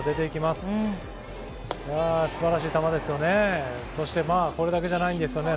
すばらしい球ですよね。